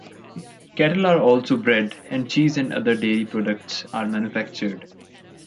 Cattle are also bred and cheese and other dairy products are manufactured.